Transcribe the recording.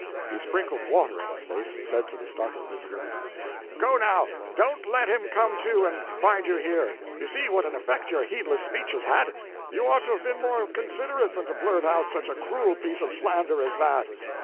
He sprinkled water in his face, and said to the startled visitor "Go, now don't let him come to and find you here. You see what an effect your heedless speech has had; you ought to have been more considerate than to blurt out such a cruel piece of slander as that."